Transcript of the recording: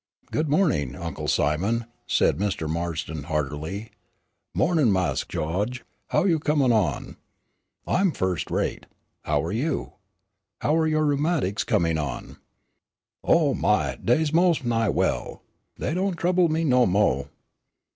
"Good morning, Uncle Simon," said Mr. Marston, heartily. "Mornin' Mas' Gawge. How you come on?" "I'm first rate. How are you? How are your rheumatics coming on?" "Oh, my, dey's mos' nigh well. Dey don' trouble me no mo'!"